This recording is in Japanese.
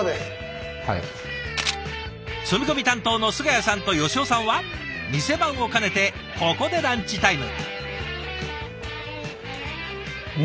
積み込み担当の菅谷さんと吉尾さんは店番を兼ねてここでランチタイム。